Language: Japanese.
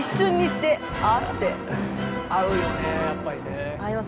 合うよねやっぱりね。合います。